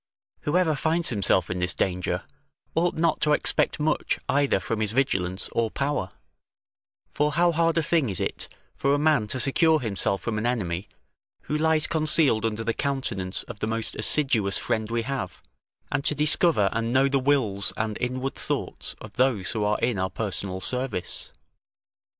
Whoever finds himself in this danger, ought not to expect much either from his vigilance or power; for how hard a thing is it for a man to secure himself from an enemy, who lies concealed under the countenance of the most assiduous friend we have, and to discover and know the wills and inward thoughts of those who are in our personal service.